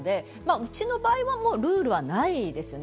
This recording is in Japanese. うちの場合はルールはないですね。